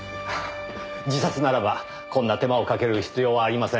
自殺ならばこんな手間をかける必要はありません。